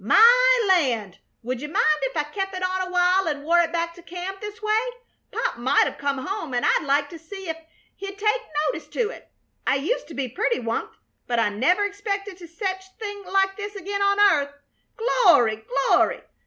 My land! Would you mind ef I kep' it on a while an' wore it back to camp this way? Pop might uv come home an' I'd like to see ef he'd take notice to it. I used to be purty onct, but I never expected no sech thing like this again on earth. Glory! Glory!